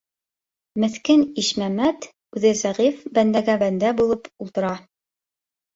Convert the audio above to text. Меҫкен Ишмәмәт - үҙе зәғиф, бәндәгә бәндә булып ултыра.